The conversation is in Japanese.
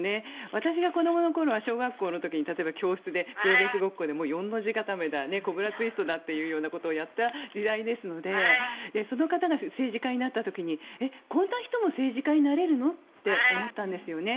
私が子どもの頃は小学校の時、教室でプロレスごっこで四の字固めだコブラツイストだっていうことをやった時代ですのでその方が政治家になった時にこんな人も政治家になれるのって思ったんですよね。